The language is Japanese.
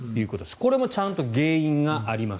これもちゃんと原因があります。